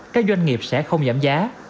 các doanh nghiệp sẽ không giảm giá